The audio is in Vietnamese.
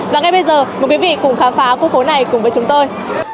và ngay bây giờ mời quý vị cùng khám phá khu phố này cùng với chúng tôi